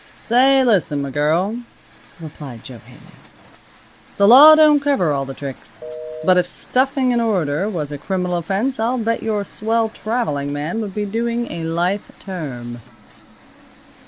"Say, listen, m' girl," replied Jo Haley. "The law don't cover all the tricks. But if stuffing an order was a criminal offense I'll bet your swell traveling man would be doing a life term."